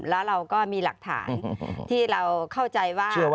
แล้วเราก็มีหลักฐานที่เราเข้าใจว่า